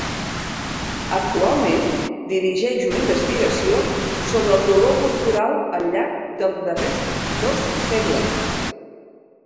Actualment, dirigeix una investigació sobre el dolor corporal al llarg dels darrers dos segles.